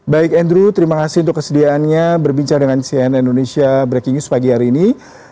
baik andrew terima kasih untuk kesediaannya berbincang dengan cnn indonesia breaking news pagi hari ini